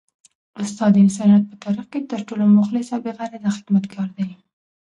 استاد د انسانیت په تاریخ کي تر ټولو مخلص او بې غرضه خدمتګار دی.